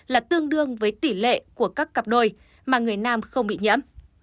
là tương đương với tỷ lệ của các cặp đôi mà người nam không bị nhiễm